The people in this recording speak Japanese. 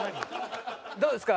どうですか？